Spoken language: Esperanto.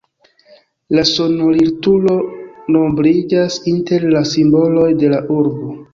La sonorilturo nombriĝas inter la simboloj de la urbo.